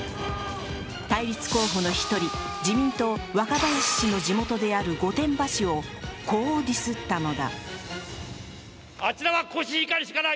対立候補の１人、自民党、若林氏の地元である御殿場市をこうディスったのだ。